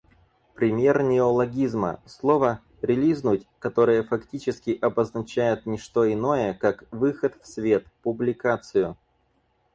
Пример неологизма — слово релизнуть, которое фактически обозначает ничто иное как выход в свет, публикацию.